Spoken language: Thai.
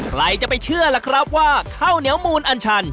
ใครจะไปเชื่อล่ะครับว่าข้าวเหนียวมูลอันชัน